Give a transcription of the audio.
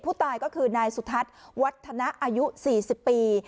ผู้ตายก็คือนายสุทัศน์วัฒนะอายุ๔๐ปี